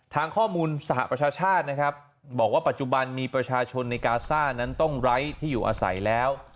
ทางข้อมูลสหประชาชาตินะครับบอกว่าปัจจุบันมีประชาชนในกาซ่านั้นต้องไร้ที่อยู่อาศัยแล้ว